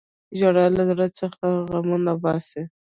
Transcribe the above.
• ژړا له زړه څخه غمونه باسي.